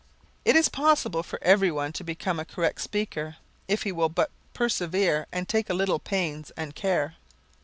It is possible for everyone to become a correct speaker if he will but persevere and take a little pains and care.